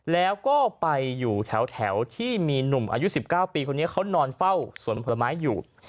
แล้วก็ไปอยู่แถวที่มีหนุ่มอายุ๑๙ปีคนนี้เขานอนเฝ้าสวนผลไม้อยู่